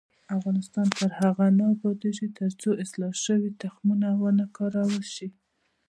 افغانستان تر هغو نه ابادیږي، ترڅو اصلاح شوي تخمونه ونه کارول شي.